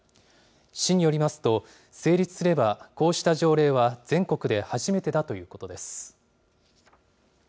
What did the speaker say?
市によりますと、成立すれば、こうした条例は全国で初めてだということです。